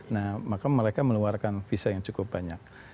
nah maka mereka mengeluarkan visa yang cukup banyak